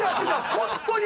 ホントに！